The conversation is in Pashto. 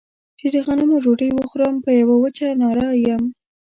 چې د غنمو ډوډۍ وخورم په يوه وچه ناره يم.